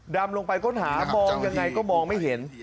ดำลงไปค้นหามองยังไงก็มองไม่เห็น